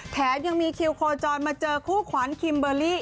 แถมยังมีคิวโคจรมาเจอคู่ขวัญคิมเบอร์รี่